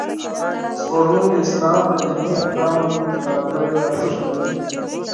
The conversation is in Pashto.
سپوږمۍ د اسلام په دیني احکامو کې ځانګړی ارزښت لري